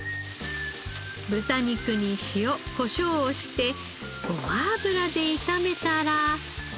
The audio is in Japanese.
豚肉に塩・コショウをしてごま油で炒めたら出来上がり。